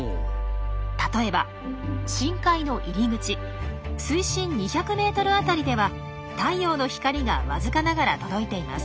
例えば深海の入り口水深２００ｍ辺りでは太陽の光がわずかながら届いています。